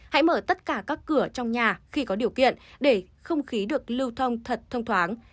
hãy mở tất cả các cửa trong nhà khi có điều kiện để không khí được lưu thông thật thông thoáng